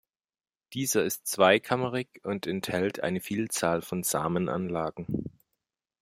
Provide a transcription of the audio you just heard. Dieser ist zweikammerig und enthält eine Vielzahl von Samenanlagen.